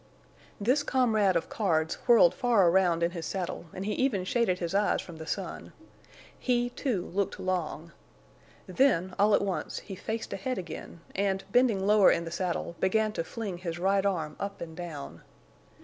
This comrade of Card's whirled far around in his saddle, and he even shaded his eyes from the sun. He, too, looked long. Then, all at once, he faced ahead again and, bending lower in the saddle, began to fling his right arm up and down.